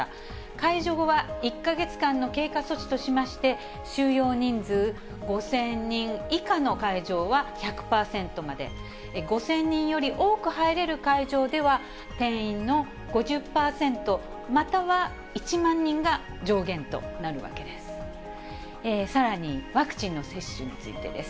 解除後は１か月間の経過措置としまして、収容人数５０００人以下の会場は１００％まで、５０００人より多く入れる会場では、定員の５０％または、１万人が上限となるわけです。